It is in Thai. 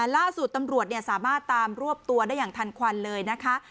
ล่าสุดตำรวจสามารถตามรวบตัวได้อย่างทันควันเลยนะคะ